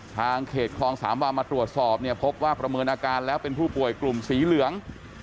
ทางเขตคลองสามวามาตรวจสอบเนี่ยพบว่าประเมินอาการแล้วเป็นผู้ป่วยกลุ่มสีเหลือง